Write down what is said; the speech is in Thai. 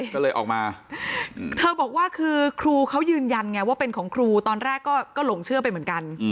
ก็เลยออกมาเธอบอกว่าคือครูเขายืนยันไงว่าเป็นของครูตอนแรกก็หลงเชื่อไปเหมือนกัน